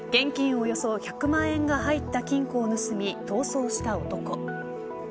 およそ１００万円が入った金庫を盗み逃走した男。